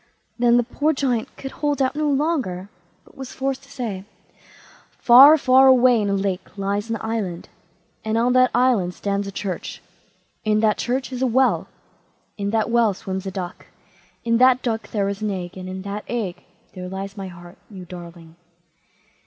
Then the poor Giant could hold out no longer, but was forced to say: "Far, far away in a lake lies an island; on that island stands a church; in that church is a well; in that well swims a duck; in that duck there is an egg, and in that egg there lies my heart,—you darling!"